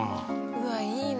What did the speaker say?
うわいいな！